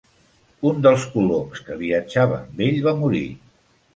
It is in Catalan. Un dels coloms que viatjava amb ell va morir.